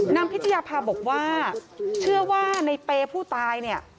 พิชยาภาบอกว่าเชื่อว่าในเปย์ผู้ตายเนี่ย